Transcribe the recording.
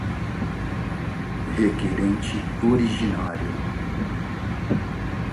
requerente originário.